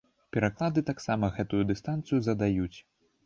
Пераклады таксама гэтую дыстанцыю задаюць.